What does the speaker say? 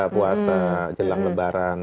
puasa jelang lebaran